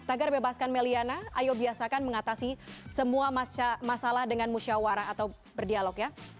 tagar bebaskan meliana ayo biasakan mengatasi semua masalah dengan musyawarah atau berdialog ya